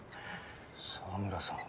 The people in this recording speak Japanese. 澤村さん。